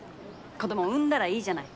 子供産んだらいいじゃない。